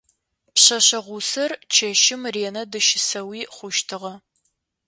Пшъэшъэ гъусэр чэщым ренэ дыщысэуи хъущтыгъэ.